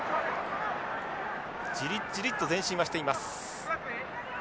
じりっじりっと前進はしています。